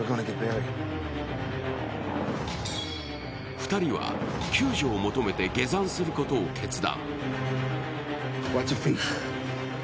２人は、救助を求めて下山することを決断。